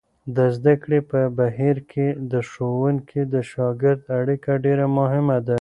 د زده کړې په بهیر کې د ښوونکي او شاګرد اړیکه ډېره مهمه ده.